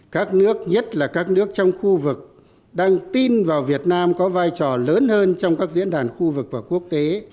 các nước nhất là các nước trong khu vực đang tin vào việt nam có vai trò lớn hơn trong các diễn đàn khu vực và quốc tế